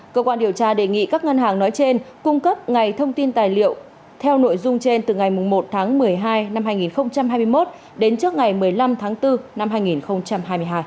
cơ quan điều tra đề nghị các ngân hàng nói trên cung cấp ngày thông tin tài liệu theo nội dung trên từ ngày một tháng một mươi hai năm hai nghìn hai mươi một đến trước ngày một mươi năm tháng bốn năm hai nghìn hai mươi hai